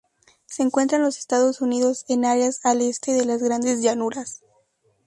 Se encuentra en los Estados Unidos, en áreas al este de las Grandes Llanuras.